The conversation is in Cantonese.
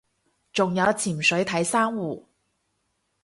仲有潛水睇珊瑚